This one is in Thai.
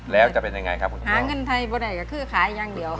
แล้วจะเป็นยังไงครับคุณฮะหาเงินไทยบนไหนก็คือขายอย่างเดียว